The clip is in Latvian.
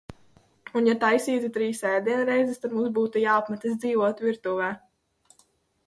Un ja taisītu trīs ēdienreizes, tad mums būtu jāapmetas dzīvot virtuvē.